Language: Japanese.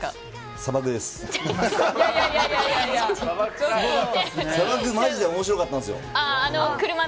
砂漠、マジで面白かったんですよ。